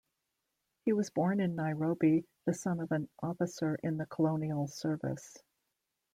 He was born in Nairobi the son of an officer in the Colonial Service.